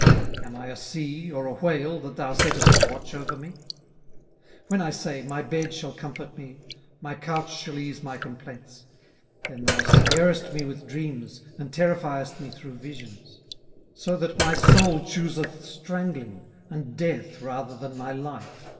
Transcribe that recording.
18:007:012 Am I a sea, or a whale, that thou settest a watch over me? 18:007:013 When I say, My bed shall comfort me, my couch shall ease my complaints; 18:007:014 Then thou scarest me with dreams, and terrifiest me through visions: 18:007:015 So that my soul chooseth strangling, and death rather than my life.